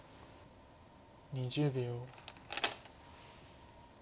２０秒。